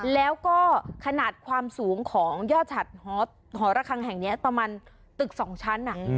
แล้วก็ขนาดความสูงของยอดฉัดหอระคังแห่งนี้ประมาณตึก๒ชั้น